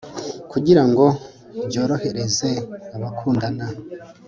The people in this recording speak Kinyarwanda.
kugira ngo byorohereze abakundana